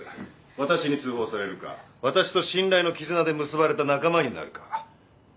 私に通報されるか私と信頼の絆で結ばれた仲間になるか。